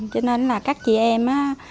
cho nên các chị em